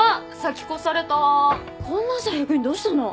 こんな朝早くにどうしたの？